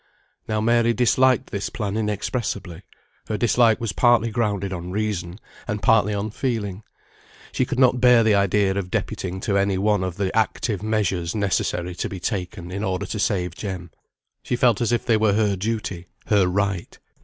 Now Mary disliked this plan inexpressibly; her dislike was partly grounded on reason, and partly on feeling. She could not bear the idea of deputing to any one the active measures necessary to be taken in order to save Jem. She felt as if they were her duty, her right.